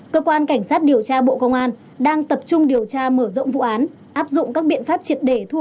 cơ quan cảnh sát điều tra bộ công an đang tập trung điều tra mở rộng vụ án áp dụng các biện pháp triệt đề thu hồi tài sản cho nhà nước